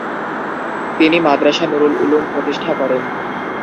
তিনি মাদ্রাসা নুরুল উলুম প্রতিষ্ঠা করেন।